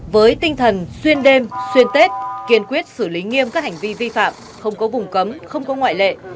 với tinh thần xuyên đêm xuyên tết kiên quyết xử lý nghiêm các hành vi vi phạm không có vùng cấm không có ngoại lệ